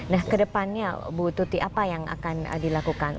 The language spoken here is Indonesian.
nah kedepannya bu tuti apa yang akan dilakukan